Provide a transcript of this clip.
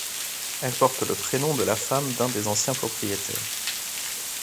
Elle porte le prénom de la femme d'un des anciens propriétaires.